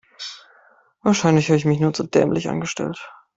Wahrscheinlich habe ich mich nur zu dämlich angestellt.